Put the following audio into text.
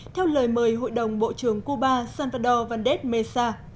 theo lời mời hội đồng bộ trưởng cuba salvador valdés mesa